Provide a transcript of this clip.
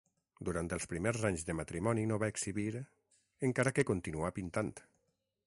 Durant els primers anys de matrimoni no va exhibir, encara que continuà pintant.